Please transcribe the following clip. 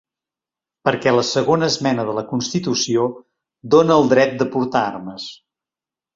Perquè la segona esmena de la constitució dóna el dret de portar armes.